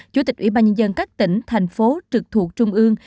chủ tịch ủy ban nhân dân các tỉnh thành phố trực thuộc trung ương